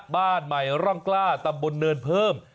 บ้านใหม่ร่องกล้าตำบลเนินเพิ่ม